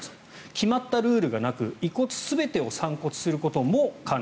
決まったルールがなく遺骨全てを散骨することも可能。